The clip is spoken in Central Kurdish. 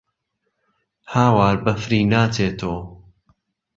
هاوار بەفری ناچێتۆ